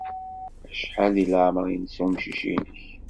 Acḥal deg leɛmeṛ-nnes umcic-nnek?